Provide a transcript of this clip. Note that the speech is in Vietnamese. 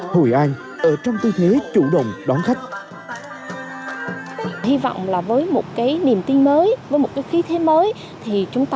hội an ở trong tư thế chủ động đón khách